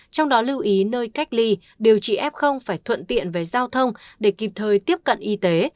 trong đó lưu ý nơi cách ly điều trị f phải thuận tiện về giao thông để kịp thời tiếp cận y tế